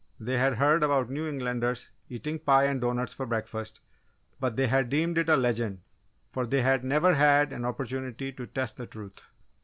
They had heard about New Englanders eating pie and doughnuts for breakfast, but they had deemed it a legend for they had never had an opportunity to test the truth.